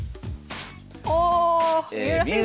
お三浦先生。